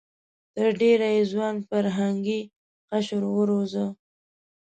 تر ډېره یې ځوان فرهنګي قشر وروزه.